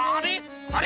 「あれ？